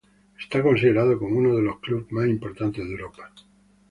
Está considerado como uno de los clubes más importantes de Europa.